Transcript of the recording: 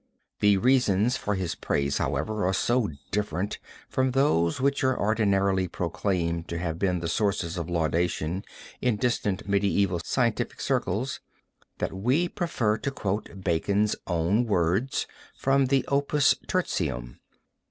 The reasons for his praise, however, are so different from those which are ordinarily proclaimed to have been the sources of laudation in distant medieval scientific circles, that we prefer to quote Bacon's own words from the Opus Tertium.